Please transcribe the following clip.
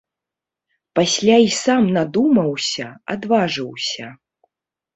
Пасля і сам надумаўся, адважыўся.